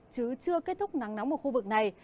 chứ chưa kết thúc nắng nóng ở khu vực này